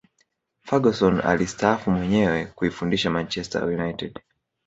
ferguson alistaafu mwenyewe kuifundisha manchester united